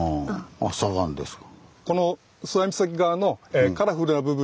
あ砂岩ですか。